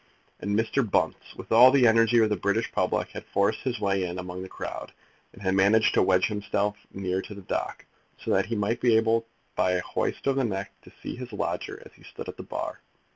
And Mr. Bunce, with all the energy of the British public, had forced his way in among the crowd, and had managed to wedge himself near to the dock, so that he might be able by a hoist of the neck to see his lodger as he stood at the bar.